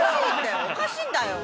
◆おかしいんだよ！